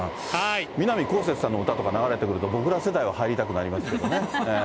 南こうせつさんの歌とか流れてると、僕ら世代は入りたくなりますけどね。